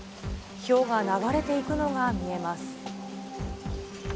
ひょうが流れていくのが見えます。